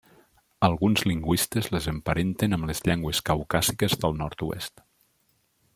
Alguns lingüistes les emparenten amb les llengües caucàsiques del nord-oest.